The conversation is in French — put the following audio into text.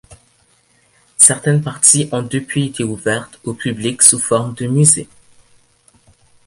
Certaines parties ont depuis été ouvertes au public sous forme de musée.